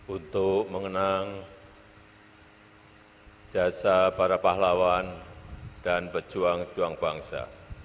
untuk mengenang jasa para pahlawan dan pejuang juang bangsa